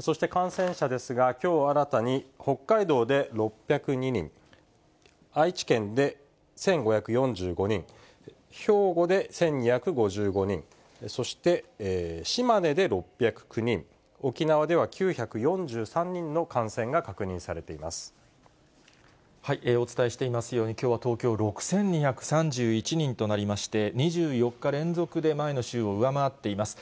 そして感染者ですが、きょう新たに北海道で６０２人、愛知県で１５４５人、兵庫で１２５５人、そして島根で６０９人、沖縄では９４３人の感染が確認されていまお伝えしていますように、きょうは東京、６２３１人となりまして、２４日連続で前の週を上回っています。